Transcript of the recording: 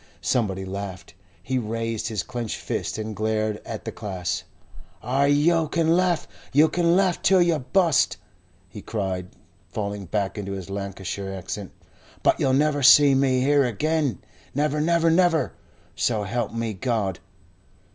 Somebody laughed. He raised his clenched fists and glared at the class. "Ay, yo' can laugh you can laugh till yo' bust!" he cried, falling back into his Lancashire accent. "But yo'll never see me, here agen. Never, never, never, so help me God!"